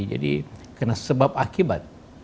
jadi kena sebab akibat